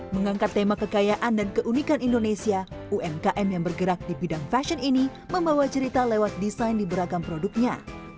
mengangkat tema kekayaan dan keunikan indonesia umkm yang bergerak di bidang fashion ini membawa cerita lewat desain di beragam produknya